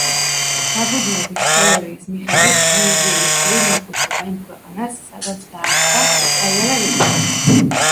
დაფუძნების თეორიის მიხედვით, იურიდიული პირი მიეკუთვნება იმ ქვეყანას, სადაც დაარსდა, გაიარა რეგისტრაცია.